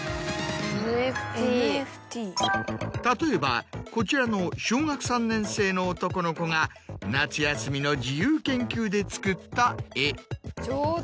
例えばこちらの小学３年生の男の子が夏休みの自由研究で作った絵。